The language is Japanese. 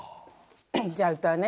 じゃあ歌うね。